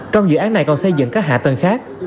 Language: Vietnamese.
trong dự án này còn xây dựng các hạ tầng khác